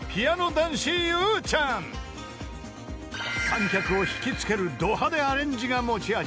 ［観客を引きつけるド派手アレンジが持ち味］